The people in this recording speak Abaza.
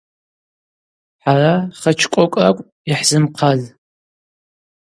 Хӏара хочкокӏ ракӏвпӏ йхӏзымхъаз.